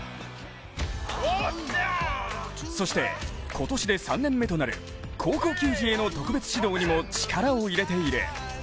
そして、今年で３年目となる高校球児への特別指導にも力を入れている。